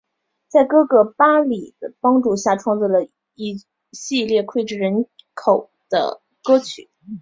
在哥哥巴里的帮助下创作了一系列脍炙人口的歌曲。